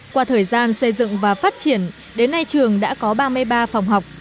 qua thời gian xây dựng và phát triển đến nay trường đã có ba mươi ba phòng học